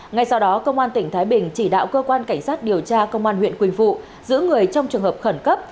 ngay sau đó công an tỉnh thái bình chỉ đạo cơ quan cảnh sát điều tra công an huyện quỳnh phụ giữ người trong trường hợp khẩn cấp